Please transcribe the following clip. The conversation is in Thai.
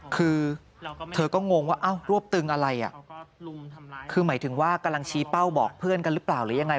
คือเธอก็งงว่าอ้าวรวบตึงอะไรอ่ะคือหมายถึงว่ากำลังชี้เป้าบอกเพื่อนกันหรือเปล่าหรือยังไง